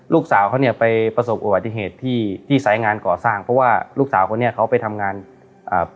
ลูกสาวเขาเนี่ยไปประสบอุบัติเหตุที่ที่สายงานก่อสร้างเพราะว่าลูกสาวคนนี้เขาไปทำงานอ่า